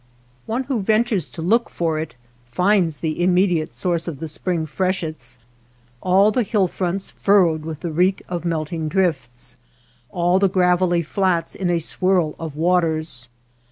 One who ventures to look for it finds the immediate source of the spring freshets — all the hill fronts fur rowed with the reek of melting drifts, all the gravelly flats in a swirl of waters.